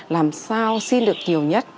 làm sao xin được nhiều nhất